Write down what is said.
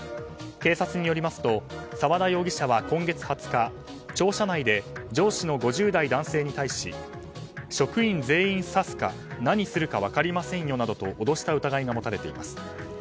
警察によりますと澤田容疑者は、今月２０日庁舎内で上司の５０代男性に対し職員全員刺すか何するか分かりませんよなどと脅した疑いが持たれています。